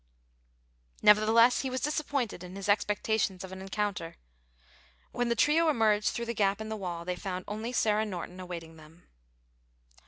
Nevertheless, he was disappointed in his expectations of an encounter. When the trio emerged through the gap in the wall they found only Sarah Norton awaiting them.